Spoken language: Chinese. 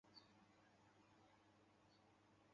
乌尔齐尼的名称源于建立城市的科尔基斯人。